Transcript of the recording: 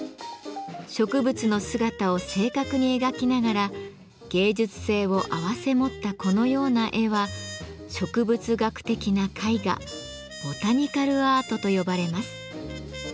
植物の姿を正確に描きながら芸術性を併せ持ったこのような絵は植物学的な絵画「ボタニカルアート」と呼ばれます。